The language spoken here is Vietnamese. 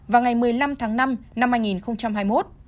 vào ngày một mươi năm tháng năm năm hai nghìn hai mươi một